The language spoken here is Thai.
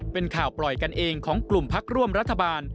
เป็นข่าวปล่อยกันเองของกลุ่มพักร่วมรัฐบาล